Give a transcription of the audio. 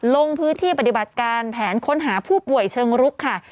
ลงพื้นที่ปฏิบัติการแผนค้นหาผู้ป่วยเชิงรุกค่ะ